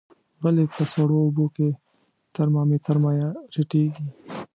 ولې په سړو اوبو کې د ترمامتر مایع ټیټیږي؟